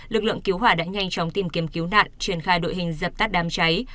lực lượng cứu hỏa đã nhanh chóng tìm kiếm cứu nạn triển khai đội hình dập tắt đám cháy